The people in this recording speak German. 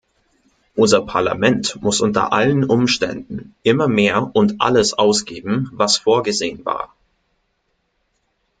Unser Parlament muss unter allen Umständen immer mehr und alles ausgeben, was vorgesehen war.